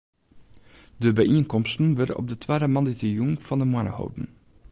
De byienkomsten wurde op de twadde moandeitejûn fan de moanne holden.